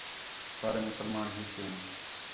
سارے مُسلمان ہِک ہین